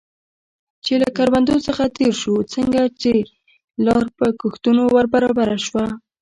چې له کروندو څخه تېر شو، څنګه چې لار په کښتونو ور برابره شوه.